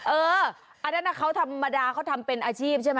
เอออันนั้นเขาธรรมดาเขาทำเป็นอาชีพใช่ไหม